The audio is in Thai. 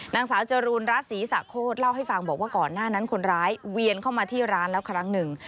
นางสาวจรูนรัฐศรีสะโคตรเล่าให้ฟังบอกว่าก่อนหน้านั้นคนร้ายเวียนเข้ามาที่ร้านแล้วครั้งหนึ่ง